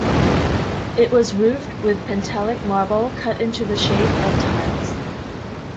It was roofed with Pentelic marble cut into the shape of tiles.